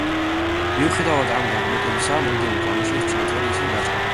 მიუხედავად ამ განმარტებისა, მომდევნო კანონში ეს ჩანაწერი ისევ დარჩა.